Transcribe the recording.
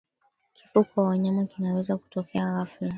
Kifo kwa wanyama kinaweza kutokea ghafla